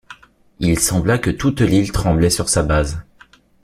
Il sembla que toute l’île tremblait sur sa base